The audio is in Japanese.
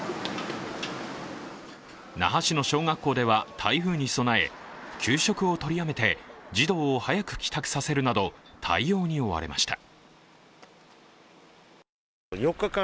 那覇市の小学校では台風に備え、給食を取りやめて児童を早く帰宅させるなど、対応に追われました。